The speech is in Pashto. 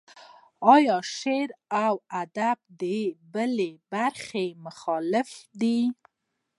ایا شعر و ادب د بلې برخې مخالف دی.